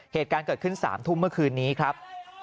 เหตุการณ์เกิดขึ้น๓ทุ่มเมื่อคืนนี้ครับ